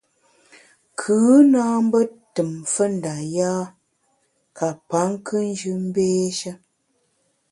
Kù na mbe tùm mfe nda yâ ka pa nkùnjù mbééshe.